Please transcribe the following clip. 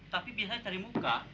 tapi biasa cari muka